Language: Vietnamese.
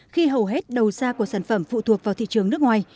khi hầu hết đầu ra của sản phẩm phụ thuộc vào thị trường nước ngoài